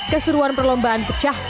keseruan perlombaan pecahnya